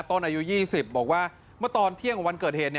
อายุ๒๐บอกว่าเมื่อตอนเที่ยงของวันเกิดเหตุ